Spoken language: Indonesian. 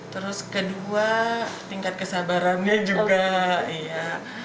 terus kedua tingkat kesabarannya juga iya